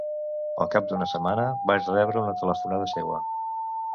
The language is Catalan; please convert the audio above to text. Al cap d’una setmana, vaig rebre una telefonada seua.